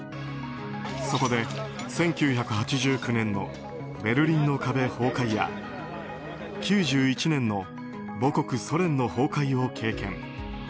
そこで１９８９年のベルリンの壁崩壊や９１年の母国ソ連の崩壊を経験。